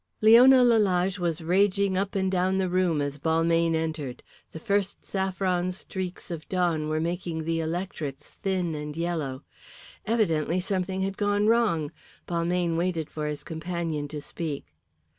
Leona Lalage was raging up and down the room as Balmayne entered. The first saffron streaks of dawn were making the electrics thin and yellow. Evidently something had gone wrong. Balmayne waited for his companion to speak.